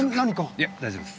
いや大丈夫です。